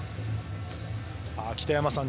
北山さん